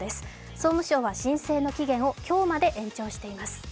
総務省は申請の期限を今日まで延長しています。